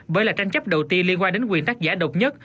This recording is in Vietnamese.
bởi là tranh chấp đầu tiên liên quan đến quyền tác giả độc nhất